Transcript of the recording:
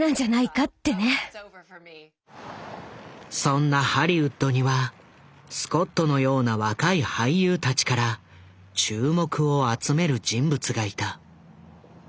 そんなハリウッドにはスコットのような若い俳優たちから注目を集める人物がいた。